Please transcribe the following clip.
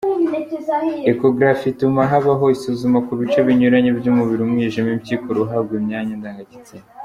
Echographie ituma habaho isuzuma kubice binyuranye by’umubiri : Umwijima, impyiko, uruhago , imyanya ndagagitsina,.